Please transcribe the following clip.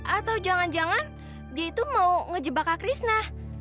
atau jangan jangan dia itu mau ngejebak kak krisna